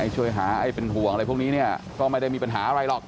ช่วยหาให้เป็นห่วงอะไรพวกนี้เนี่ยก็ไม่ได้มีปัญหาอะไรหรอก